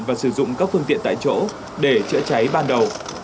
và sử dụng các phương tiện tại chỗ để chữa cháy ban đầu